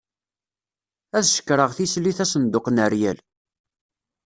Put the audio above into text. Ad cekkreɣ tislit asenduq n ryal.